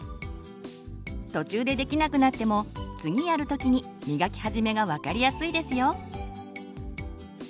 途中でできなくなっても次やる時にみがき始めが分かりやすいですよ。